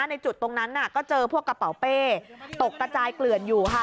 ในจุดตรงนั้นก็เจอพวกกระเป๋าเป้ตกกระจายเกลื่อนอยู่ค่ะ